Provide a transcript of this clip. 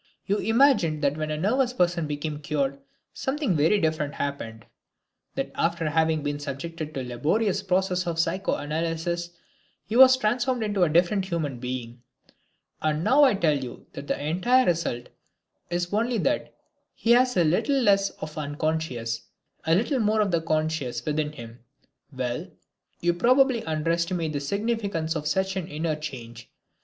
You imagined that when a nervous person became cured something very different happened, that after having been subjected to the laborious process of psychoanalysis, he was transformed into a different human being. And now I tell you that the entire result is only that he has a little less of the unconscious, a little more of the conscious within him. Well, you probably underestimate the significance of such an inner change.